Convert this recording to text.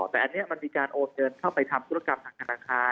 แต่อันนี้มันมีการโอนเงินเข้าไปทำธุรกรรมทางธนาคาร